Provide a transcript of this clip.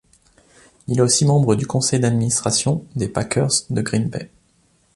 Il est aussi membre du conseil d'administration des Packers de Green Bay.